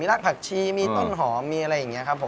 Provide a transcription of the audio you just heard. รากผักชีมีต้นหอมมีอะไรอย่างนี้ครับผม